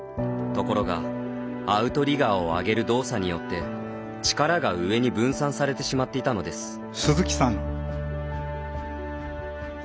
ところが、アウトリガーをあげる動作によって力が上に分散されてしまっていたのです。